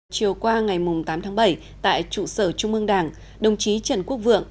chiều qua ngày tám tháng bảy tại trụ sở trung ương đảng đồng chí trần quốc vượng